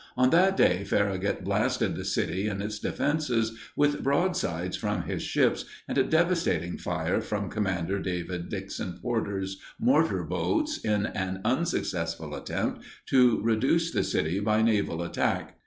On that day Farragut blasted the city and its defenses with broadsides from his ships and a devastating fire from Comdr. David Dixon Porter's mortar boats in an unsuccessful attempt to reduce the city by naval attack.